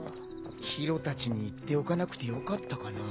宙たちに言っておかなくてよかったかな。